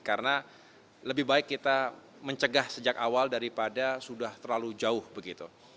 karena lebih baik kita mencegah sejak awal daripada sudah terlalu jauh begitu